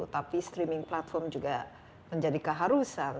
tapi streaming platform juga menjadi keharusan